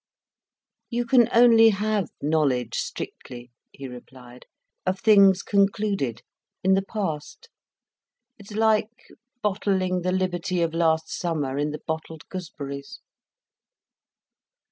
"You can only have knowledge, strictly," he replied, "of things concluded, in the past. It's like bottling the liberty of last summer in the bottled gooseberries."